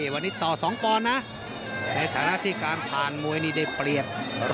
วันนี้ต่อ๒ปอนด์นะในฐานะที่การผ่านมวยนี่ได้เปรียบ